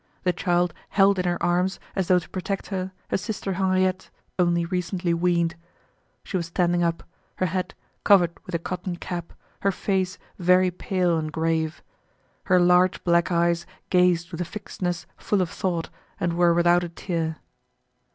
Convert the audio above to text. The child held in her arms, as though to protect her, her sister Henriette, only recently weaned. She was standing up, her head covered with a cotton cap, her face very pale and grave. Her large black eyes gazed with a fixedness full of thought and were without a tear.